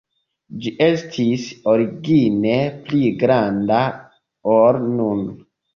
Ĝi estis origine pli granda, ol nun.